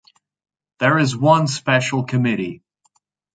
There is one special committee.